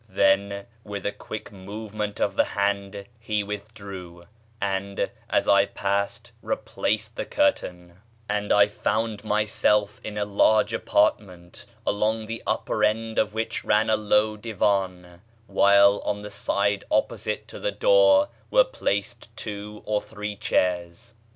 Then, with a quick movement of the hand, he withdrew, and, as I passed, replaced the curtain; and I found myself in a large apartment, along the upper end of which ran a low divan, while on the side opposite to the door were placed two or three chairs.